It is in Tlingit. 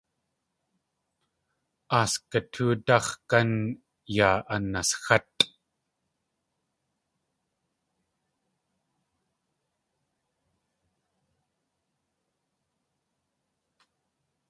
Aasgutúdáx̲ gán yaa anasxátʼ.